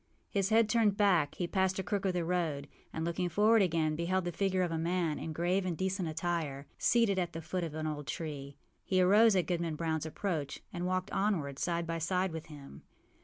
â His head being turned back, he passed a crook of the road, and, looking forward again, beheld the figure of a man, in grave and decent attire, seated at the foot of an old tree. He arose at Goodman Brownâs approach and walked onward side by side with him.